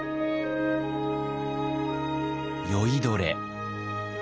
酔いどれ。